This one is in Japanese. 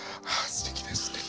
すてきです。